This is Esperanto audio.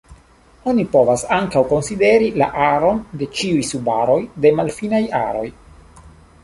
Oni povas ankaŭ konsideri la aron de ĉiuj subaroj de malfiniaj aroj.